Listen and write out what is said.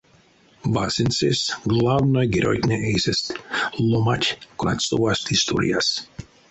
Васенцесь: главной геройтне эйсэст — ломанть, конат совасть историяс.